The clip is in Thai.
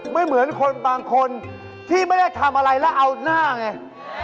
เหมือนคนบางคนที่ไม่ได้ทำอะไรแล้วเอาหน้าไง